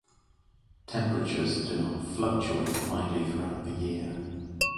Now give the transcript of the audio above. Temperatures do not fluctuate widely throughout the year.